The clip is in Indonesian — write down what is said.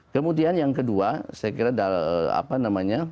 kemudian yang kedua saya kira apa namanya